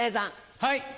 はい。